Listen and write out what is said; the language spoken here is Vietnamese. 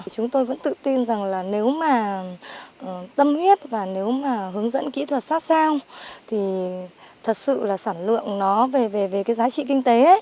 chúng tôi vẫn tự tin rằng là nếu mà tâm huyết và nếu mà hướng dẫn kỹ thuật sát sao thì thật sự là sản lượng nó về cái giá trị kinh tế